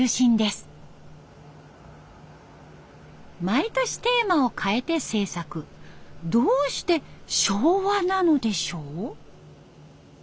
毎年テーマを変えて製作どうして昭和なのでしょう。